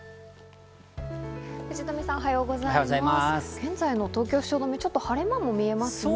現在の東京・汐留、ちょっと晴れ間も見えますね。